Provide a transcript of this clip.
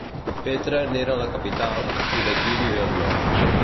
Petra n'era la capital, i d'aquí li ve el nom.